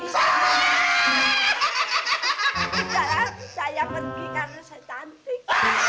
saya pergi karena saya cantik